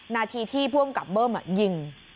นาทีที่ผู้อำกับเบิ้มยิง